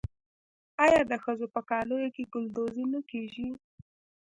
آیا د ښځو په کالیو کې ګلدوزي نه کیږي؟